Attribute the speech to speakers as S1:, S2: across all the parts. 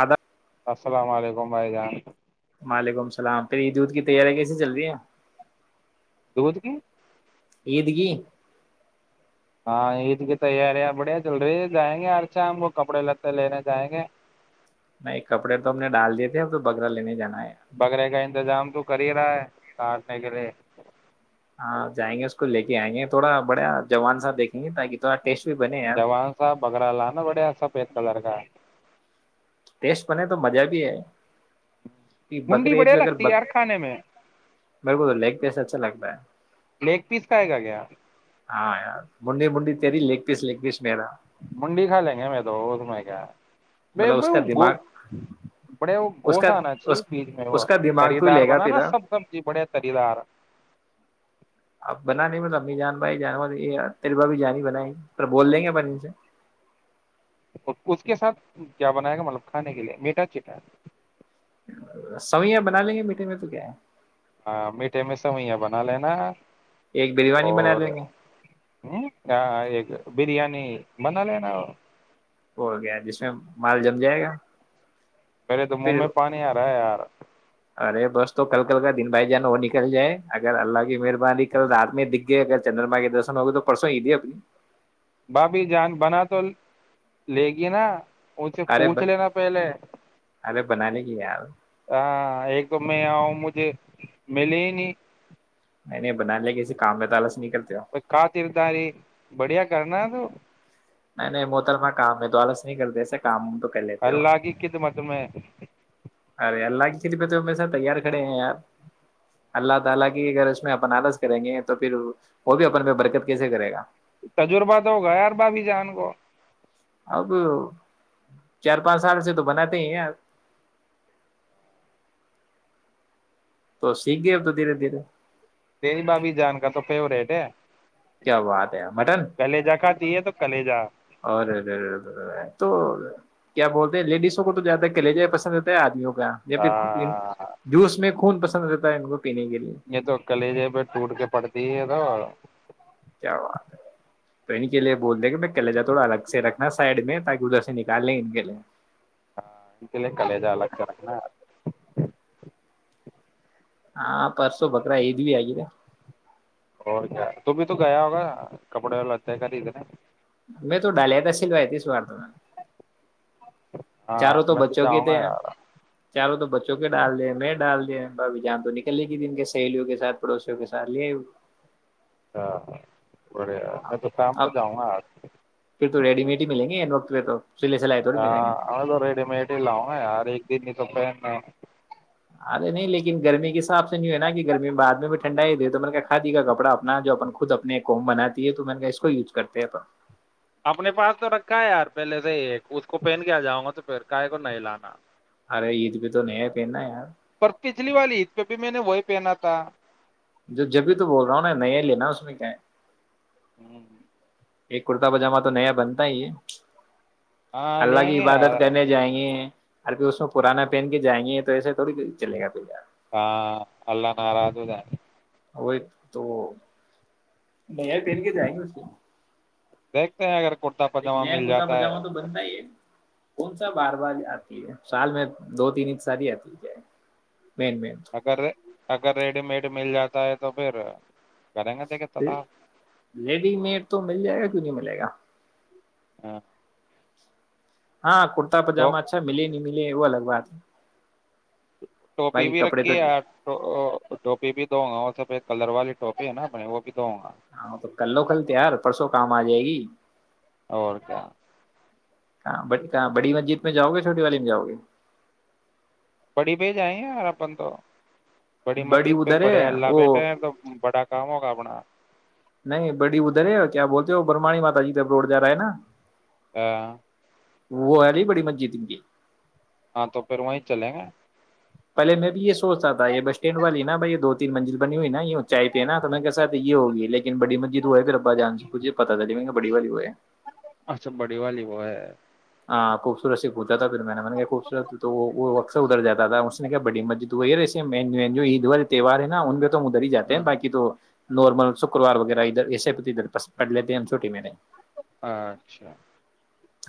S1: آداب
S2: السلام علیکم بھائی جان
S1: وعلیکم السلام پھر یہ دودھ کی تیاری کیسے چل رہی ہے
S2: تو بت کی
S1: عید کی
S2: ہاں عید کی تیاریاں بڑھیا چل رہی ہے جائیں گے ہر ش ہم کو کپڑے لتے لینے جائیں گے
S1: نہیں کپڑے تو ہم نے ڈال دیے تھے اب تو بگرا لینے جانا ہے
S2: بکرے کا انتظام تو کر ہی رہا ہے کاٹنے کے لیے
S1: ہاں جائیں گے اس کو لے کے آئیں گے تھوڑا بڑھیا جوان سا دیکھیں گے تاکہ تو
S2: جوان صاحب بگرراالا نا بڑیا سفید کلر کا
S1: ٹیسٹ بنے تو مزہ بھی ہے کہ
S2: منڈی
S1: بکرے عید
S2: بڑھیا
S1: پہ اگر
S2: لگتی ہے
S1: بک
S2: یار کھانے میں
S1: میرے کو تو لیگ پیس اچھا لگتا ہے
S2: لیگ پیس کھائے گا کیا
S1: ہاں ار منڈی منڈی تیری لیگ پیس لیگ پیس میرا
S2: منڈی کھا لیں گے ہم تو وہ اس میں کیا ہے
S1: مطلب
S2: ب ب
S1: اس کا
S2: گ
S1: دماغ
S2: بڑے وہ
S1: اس
S2: گوش
S1: کا
S2: آنا چاہیے
S1: اس
S2: بیج میں وہ
S1: اس کا دماغ
S2: تری
S1: تو
S2: دار
S1: لے
S2: بن
S1: گا
S2: نا
S1: پیرا
S2: سب سبزی بڑے تری دار
S1: اب بنا نہیں مطلب امی جان بھائی جانور ہے یہ یار تیری بھی جانی بنائی پر بول دیں گے ب سے
S2: اور اس کے ساتھ کیا بنائے گا مطلب کھانے کے لئے میٹھا چیٹا
S1: سوئیا بنا لیں گے میٹھے میں تو کیا ہے
S2: ہاں میٹھے میں سوئیاں بنا لینا
S1: ایک بریانی بنا
S2: اور
S1: لیں گے
S2: منالے نا
S1: ہو گیا جس میں مال جم جائے گا
S2: میرے تو منہ
S1: پھر
S2: میں پانی آ رہا ہے یار
S1: ارے بس تو کل کل کا دن بھائی جانا وہ نکل جائے اگر اللہ کی مر کل
S2: ہاں
S1: رات میں د اگر چندرما کے درشن ہو گئے تو پرسوں ہی دی اپنی
S2: باابھی جان بنا تو لے گی نا اس سے
S1: ارے
S2: پوچھ لینا پہلے
S1: ارے بنانے کی ار
S2: ہاں ایک تو میں آؤں مجھے ملیے ہی نہیں
S1: نہیں نہیں بناان لیا کسی کام میں تالا
S2: پ کاترداری بڑھیا کرنا تو
S1: نہیں نہیں محترم کام ہے تو آالس نہیں کرتے ایسے کام تو کر لیتے ہو
S2: اللہگی کت مت میںیں
S1: ارے اللہ تیار کھڑے ہیں یار اللہ تعالی کی اگر اس میں بنارس کریں گے تو پھر وہ بھی اوپن پہ برکت کیسے کرے گا
S2: تجربہ تو ہو گیا ار با بھی جان کو
S1: اب چار پانچ سال سے تو بناتے ہی ہیں آپ تو سیکھ گئے اب تو دھیرے دھیرے
S2: تیج بابی جان کا تو فیوریٹ ہے
S1: کیا بات ہے مٹن
S2: کلیجا کھاتی ہے تو کلیجا
S1: اوررے ار تو کیا بولتے ہیں لیڈیسوں کو تو زیادہ کے لے جائے پسند ہوتا ہے آدمیوں کو گیا یا پھر کچھ د
S2: ہاں
S1: جوس میں خون پسند رہتا ہے ان کو پینے کے لیے
S2: یہ تو کلی ج پہ ٹوٹ کے پڑتی ہے اہاں
S1: کیا بات ہے تو ان کے لیے بول د کہ میں کی لے جاؤ تھوڑا الگ سے رکھنا سائڈ میں تاکہ ادھر سے نکال لیں ان کے لیے
S2: ہاں انت ل کلی ج ل اچر
S1: ہاں پرسوں بکرا یہ د بھی آگ تے
S2: اور کیا تم بھی تو گیا ہوگا کپڑے والاتے ہے کردنے
S1: میں تو ڈاالت اشل بتیس وارتمان
S2: ہ
S1: چاروں تو بچوں کے تھے چاروں تو بچوں کے ڈال دے میں ڈال دیا بھھی جام تو نکلنےے گی تن کے سہیلیوں کے سھ پڑوسیوں کے سھ لے آئی
S2: ہاںاں
S1: ہاں اب پھر تو ریڈی مڈ ہی ملیں گے ے تو سلے سلائے تھوڑی ملیں
S2: ہاں
S1: گے
S2: میں تو ریڈی مڈ ہی لاؤں گا یار ایک د تو پ ن
S1: ارے نہیں لیکن گرمی کے حساب سے نہیں ہے نا کہ گرمی بعد میں بھی ٹھنڈا ہی دے تو میں نے کھااد گا کپڑا اپنا جو اپ خود اپنے قم بناتی ہے تو میں نے اس کو یوز کرتے ہے اپ
S2: اپنے پاس تو رکھا ہے یار پہلے سے ہی ایک اس کو پہن کے آ جاؤں گا تو پھر کاائے کو نہیں لانا
S1: ارے عید پہ تو نہیں پہننا ہے یار
S2: بجلی والی اس پہ بھی میں نے وہی پہنا تھا
S1: جو جب بھی تو بول رہا ہوں نا نیا لینا اس میں کیا ہے
S2: ہوں
S1: ایک کررتا پجاما تو نیا بنتا ہی یہ
S2: ہاں
S1: اللہ
S2: لیں
S1: کی
S2: گے
S1: عبادت
S2: یار
S1: کرنے جائیں گے ار پ اس میں پرانا پہن کے جائیں گے تو ایسا تھوڑی چلے گا پی
S2: ہاں اللہ ناراض د
S1: وہ تو نہیںار پہن کے جائیں گے اس
S2: دیکھتے ہیں اگر کرتا
S1: ایک
S2: پاجامہ
S1: نیا
S2: مل
S1: کررتا
S2: جاتا ہے
S1: پجاما تو بنتا ہی ہے کون سا بار بار آتی ہے سال میں دو تین ساری آتی ہے کیا
S2: اگر اگر ریڈی میڈ مل جاتا ہوتا ہے تو پھر کریں گے دیکھے تلا
S1: لیڈی مڈ تو مل جائے گا کیوں نہیں ملے گا
S2: ہاں
S1: ہاں کرتا پجاما اچھا ملیے ملے وہ الگ بات ہے
S2: ٹوپی
S1: باقی
S2: بھی
S1: کپڑے تو
S2: رکھی ہے ٹوپی بھی دووں گا وہ سفید کلر والیٹپی ہے نا اپنے وہ بھی دووں گا
S1: ہاں تو کل لو کل تیار پرسوں کام آ جائے گی
S2: اور کیا
S1: ہاں بڑی مسجد میں جاؤ گے چھوٹی والی میں جاؤ گے
S2: بڑی پہ ج آئےیں یار اپن تو
S1: بڑی
S2: مسجد پہ
S1: ادھر ہے
S2: بڑے اللہ
S1: وہ
S2: بیٹھے ہیں تو بڑا کام ہوگا اپنا
S1: نہیں بڑی ادھر ہے کیا بولتے ہو برمانی ماتا جی جب روڈ جا رہا ہے نا
S2: ہ
S1: وہ ہےر بڑی من جی ت ان کی
S2: ہاں تو پھر وہیں چلیں گے
S1: پہے میں بھی یہ سوچتا تھا یہ بس اسٹینڈ والی نا بھائی یہ دو تین منزل بنی ہوئی نا چائے پہ ہے نا تو میںسھ یہ ہوگی لیکن بڑی مسجد ہوا ہے پھر ابا جان سےجھے پتا چل بڑی والی ہو ہے
S2: کو
S1: خوبصورت سے گھدتا تھا پھر میں نے خوبصورت تو وہ اکسر ادھراتا تھا اس نے کہ بڑی مسجد تو وہ یہ ایس جو عید والے تہوار ہے نا ان پہ تو ادھر ہی جاتے ہیں
S2: ہاں،
S1: باقی تو نارمل شکوار وغیرہ ادھر ایے ادھر پڑ لیتے ہم چھوٹی میں نے
S2: اچھا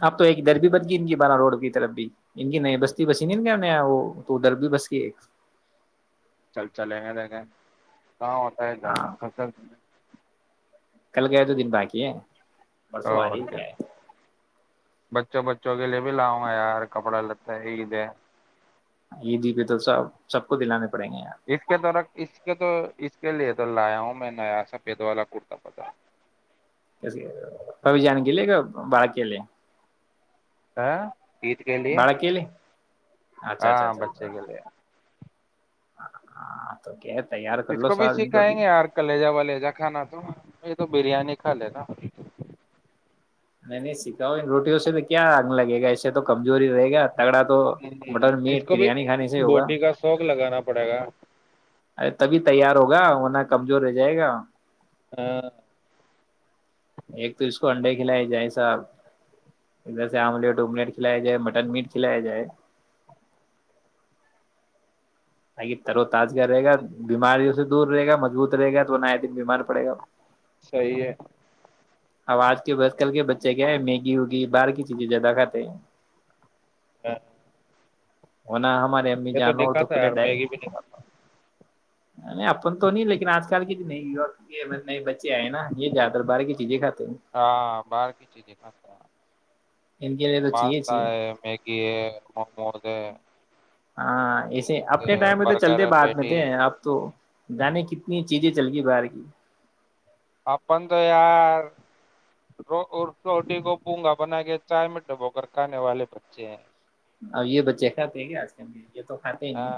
S1: اپ تو ایک در بھیی بچ گئی ان کی بارہ روڈ کی طرف بھی ان کی نہیں بستی بسی نہیں گیا وہ تو ا در بھی بس گئی ایک
S2: چل چلیں گے دیکھیں کہاں ہوتا ہے
S1: ہاں
S2: جانا س
S1: کل گئے تو دن باقی ہے پررسوں آج
S2: اور کیا
S1: جیا ہے
S2: بچوں بچوں کے لیے بھی لاؤں گا یار کپڑا لیتا ہے عید ہے
S1: یہ جی پہ تو سب سب کو دلانے پڑیں گے یار
S2: اس کے در اس تو اس کے لیے تو لایا ہوں میں نیا س پید والا کرتا پتا
S1: س کب جان گل گ بالک کے لی
S2: آ گیت کہ لیی ہے
S1: باڑہ کے لیے اچھا
S2: ہاں
S1: اچھا اچھا
S2: بچے
S1: اچھا
S2: کے لیے
S1: ہاں تو کہ
S2: اس کو بھی سکھائیں گے یار کلیجہ ولیجہ کھانا تو یہ تو بریانی کھا لے نا
S1: میں نہیں سکھاؤ روٹیوں سے تو کیا اگ لگے گا ایسے تو کم جووری رہے گا تگڑا تو مٹن
S2: اس
S1: میٹ
S2: کو بھی
S1: بریانی کھانے سے ہوگا
S2: بوٹی کا شوق لگانا پڑے گا
S1: ارے تبھی تیار ہوگا ورنہ کمزور رہ جائے گا
S2: ہاں
S1: ایک تو اس کو انڈے کھلائے جائے ساحب ادھر سے آملیٹ املیٹ کھلیا جائے مٹن میٹ کھلیا جائے آے ترو تازگا رہے گا بیماریوں سے دور رہے گا م جووت رہے گا تو وہ نیا دن بیمار پڑے گا
S2: صحیح ہے
S1: اب آج کے بس کل کے بچے کیا ہے میگی وگی باہر کی چیزیں زیادہ کھاتے ہیں
S2: ہ
S1: [unintelligible] ہمے امی جان ہو تو
S2: کھاتا
S1: پلے
S2: یار
S1: ڈائے
S2: میگی بھی نہیں کھاتا
S1: نہیں اپن تو نہیں لیکن آج کل کی نئی یوک گ ن بچ ے آئے نا یہ زیاد تر باہر کی چیزیں کھاتے ہ
S2: ہاں باہر کی چیزیں کھاتا ہے پاستا ہے میگی ہے موموز ہے
S1: ہاں ایسے اپنے ٹائم پہ تو
S2: برگر
S1: چلتے
S2: ہے
S1: بعد میں
S2: پیٹی
S1: تھے
S2: ہے۔
S1: ہم تو جانے کتنی چیزیں چل گئی باہر کی
S2: آپن تو یار روٹی کو پونگا بنا کے چائے میں ڈبوگر کھانے والے بچے ہیں
S1: اب یہ بچے کھاتے ہیں کہ آج کل یہ تو کھاتے ہی نہیں
S2: ہاں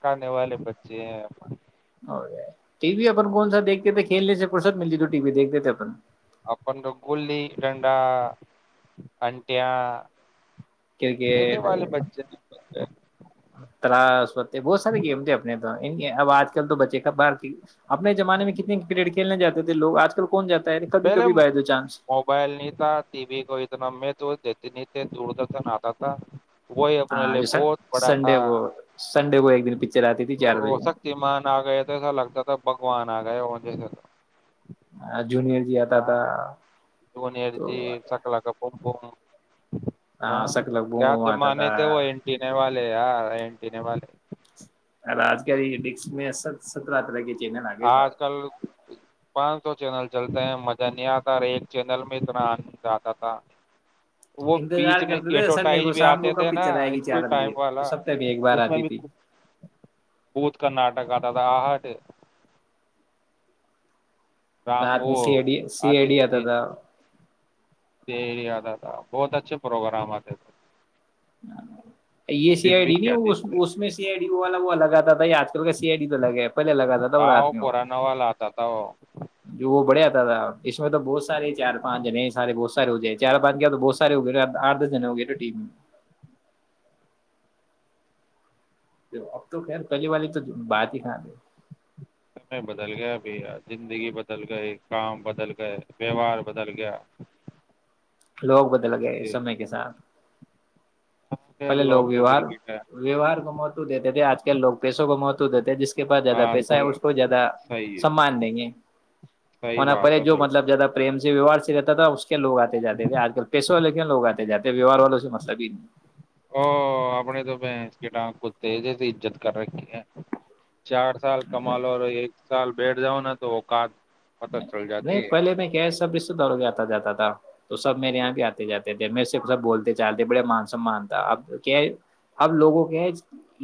S2: کھان نے والے پچے ہیں
S1: اور ٹی وی اپن کون سا دیکھتے تھے کھیلنے سے فرصت ملتی تو ٹی وی دیکھتے تھے اپن
S2: اپ جو گلی ڈڈا اٹیا
S1: کرکٹ
S2: ہیں
S1: تلاش پتے بہت سارے گیم تھے اپنے تو اب آج کل تو بچے باہر کی اپنے زمانے میں کتنے کرکٹ کھیلنے جاتے تھے لوگ آج کل کون جاتا ہے کبھی
S2: پہلے
S1: کبھی بائی دو چانس
S2: موبائل نہیں تھا ٹی وی کو اتنا میں تو دیتی نہیں دوردشن آتا تھا وہی اپنے
S1: ہاں
S2: لیے
S1: جو
S2: بہت بڑا تھا
S1: سنڈے کو سنڈے کو ایک دن پکچر آتی تھی چار
S2: وہ
S1: بجے
S2: سکتیمان آ گئے تھ ایسا لگتا تھا بگوان آ گیا ہو جس
S1: ہاں
S2: ہ جونی ایر جی
S1: تو
S2: سکلا کا پومپوم ہاں
S1: سک لگبوں
S2: کیا
S1: میں آتا
S2: جمانے
S1: تھا
S2: تھے وہ اینٹینے والے یار ارنٹین والے
S1: آج گ بس میں سترہ طرح کی
S2: آج کل پانچ تو چینل چلتے ہیں مزہ نہیں آتا اور ایک چینل میں اتنا آند آتا تھا وہ بیچ
S1: انتظار
S2: میں
S1: کرتے تھے سنڈے
S2: ایڈورٹائز
S1: کو
S2: بھی
S1: شام کو
S2: آتے تھے
S1: کبھی
S2: نا
S1: چل آئے گی
S2: اسکول
S1: چار
S2: ٹائم
S1: بجے تو
S2: والا
S1: سفتے میں ایک بار آتی تھی
S2: بھت کرناٹک تھا تھاہ آ ہٹ رام
S1: رات میں
S2: وہ
S1: سیڈی سی ای ڈیتا تھا
S2: دیادادا بہت اچھے پروگرام آتے تھے
S1: یہ سی
S2: دن
S1: آئی
S2: بھی
S1: ڈی
S2: کیا دن
S1: نہیں
S2: تھے
S1: اس میں سی آئی ڈی والا وہ الگ آتا تھا یہ آج کل کا سی آئی ڈی تو الگ ہے پہلے لگ آتا تھا رات
S2: آؤ
S1: میں وہ
S2: پرانا والا آتا تھا وہ
S1: جو وہ بڑھیاتا تھا اس میں تو بہت سارے چار پانچ جنے سارے بہت سارے ہو گئے چار پانچ کیا تو بہت سارے ہو گئے تھے آٹھ دس جنے ہو گئے تھے ٹیم میں اب تو خیر کلی والی تو بات ہی کان
S2: سمے بدل گیا بھیا زندگی بدل گئے کام بدل گئے ویوہار بدل گیا
S1: لوگ بدل
S2: ایسے
S1: گئے اس
S2: ہی
S1: سمے کے ساتھ
S2: خیر
S1: پہلے لوگ
S2: تو
S1: ویوہار
S2: کرکٹ ہے
S1: ویوار کو موت دیتے تھے آج کل لوگ پیسوں کو موتو دیتے تھ جس کے پس زیادہ
S2: آج
S1: پیسہ ہے
S2: کل
S1: اس کو زیادہ
S2: صحیح ہے
S1: سمان دیں گے
S2: صحیح
S1: اور نہ
S2: بات
S1: پے
S2: ہے
S1: جو
S2: بالکل
S1: مطلب زیادہ پریم ویوار سے رہتا تھا اس کو کیا لگ آتے جاتے تھے آج کل پیسوں والے کیوں لوگ آتے جے ویوار والوں سے مسلب ہی نہیں ہے
S2: او اپ نے تو بنس کی ٹانگ کو تیزے سے عجت کر رکھی ہے چار سال
S1: نہیں
S2: کمالو ایک سال بیٹھ جاؤ نا تو کد
S1: نہیں پہلے میں کیا ہے سب اس سے دوڑ گ آتا جاتا تھا تو سب میرے یہاں پہ آتے جاتے تھے م سے سب بولتے چالتے بڑے مان سمان تھا اب کیا اب لوگوں کے ہے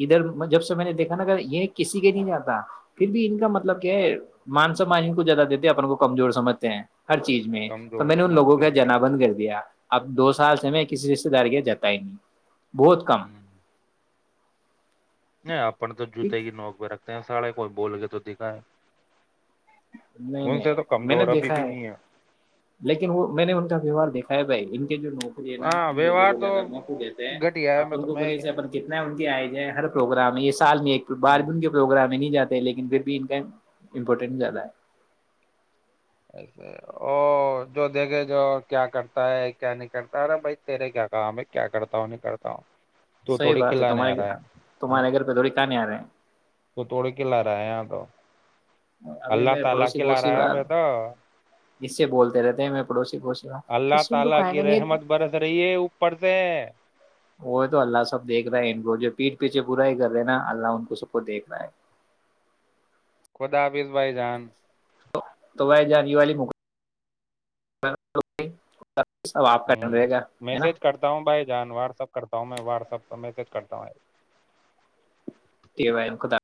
S1: ادھر جب سے میں نے دیکھا نا یہ کسی کے نہیں جاتا پھر بھی ان کا مطلب کیا ہے مان سمان ان کو زیادہ تے اپن کو کمزور سمجھتے ہیں ہر چیز میں تو
S2: کمزور
S1: میں نے ان لوگوں
S2: سمجھتے
S1: کا
S2: ہیں۔
S1: جنا بند کر دیا اب دو سال سے میں کسی رشتے دار کے جتا ہی نہیں بہت کم
S2: ہوں نہیں اپپن تو جوتے ہی نوک میں رکھتے ہیں ساڑے کوئی بول گ تو دکھائے
S1: نہیں نہیں میں نے
S2: ابھی
S1: دیکھا
S2: بھی
S1: ہے
S2: نہیں
S1: لیکن وہ میں نے ان کا ویوہار دیکھا ہے بائی [inaudible] جو نوکری ہے نا
S2: ہاں
S1: ان لووں
S2: ویوہار
S1: کو
S2: تو
S1: زیادہ موقع دیتے ہیں
S2: گھٹیا ہے میں
S1: اپن کو
S2: تمہیں
S1: بول کتنا ان کے آئے جائے ہر پروگرام ہے یہ سال میں بار بھی ان کے پروگرام میں نہیں جاتے لیکن پھر بھی ان کا امپورٹنٹ ہے
S2: ا جو دیکھے جو کیا کرتا ہے کیا نہیں کرتا ارا بھائی تیرے کیا کام ہے کیا کرتا ہوں نہیں کرتا ہوں تو
S1: صحی
S2: تھوڑی
S1: بات ہے
S2: کھلانے آ
S1: تمہارے
S2: رہا ہے
S1: تمہارے گھر پہ تھوڑی کہانی آ رہے ہیں
S2: کو توڑ کے لا رہا ہے یہاں تو
S1: ابھی میرے پڑوسی پڑوسی بار
S2: [unintelligible]
S1: اس سے بولتے رہتے ہیں میں پڑوسی
S2: اللہ
S1: سو
S2: تعالی
S1: کا
S2: کی
S1: ہے
S2: رحمت برس رہی ہے اوپر سے
S1: وہ تو اللہ سب دیکھ رہے ہیں ان کو جو پیٹھ پیچھے برا ہی کر دینا اللہ ان کو سب کو دیکھنا ہے
S2: خدا حافیظ بھائی جان
S1: تو بائی جانی والی م ب سب آپ
S2: ہ
S1: کان رہے گا ہے نا
S2: میسج کرتا ہوں بھائی جان واٹسپ کرتا ہوں میں واٹس اپ کا میسج کرتا ہوں
S1: د ب ان کوتا